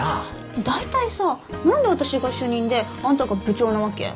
大体さ何で私が主任であんたが部長なわけ？